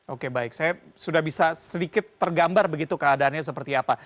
oke baik saya sudah bisa sedikit tergambar begitu keadaannya seperti apa